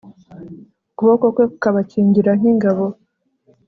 ukuboko kwe kukabakingira nk'ingabo